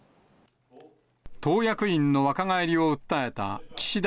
党役員の若返りを訴えた、岸田